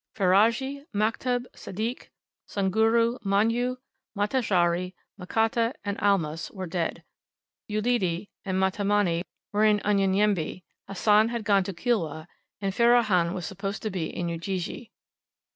Ferrajji, Maktub, Sadik, Sunguru, Manyu, Matajari, Mkata, and Almas, were dead; Uledi and Mtamani were in Unyanyembe; Hassan had gone to Kilwa, and Ferahan was supposed to be in Ujiji.